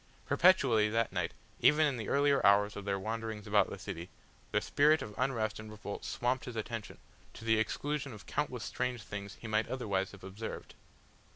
Perpetually that night, even in the earlier hours of their wanderings about the city, the spirit of unrest and revolt swamped his attention, to the exclusion of countless strange things he might otherwise have observed.